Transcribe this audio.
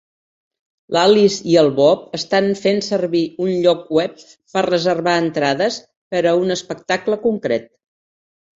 L'Alice i el Bob estan fent servir un lloc web per reservar entrades per a un espectacle concret.